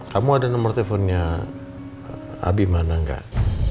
kamu ada nomor teleponnya abimana gak